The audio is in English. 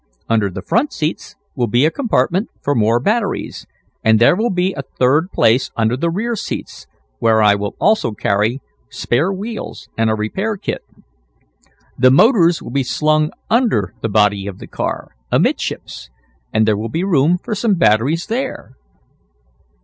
Under the front seats will be a compartment for more batteries, and there will be a third place under the rear seats, where I will also carry spare wheels and a repair kit. The motors will be slung under the body of the car, amidships, and there will also be room for some batteries there."